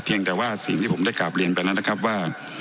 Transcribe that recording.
แต่ว่าสิ่งที่ผมได้กราบเรียนไปแล้วนะครับว่า